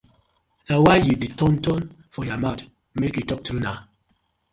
Na why yu dey turn turn for yah mouth, make yu talk true naw.